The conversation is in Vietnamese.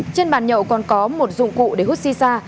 trên bàn nhậu còn có một dụng cụ để hút si sa